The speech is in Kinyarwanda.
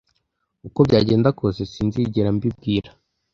uko byagenda kose, sinzigera mbibwira.